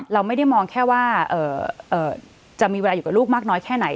เราไม่ได้มองแค่ว่าจะมีเวลาอยู่กับลูกมากน้อยแค่ไหน